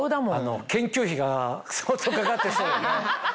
研究費が相当かかってそうだね。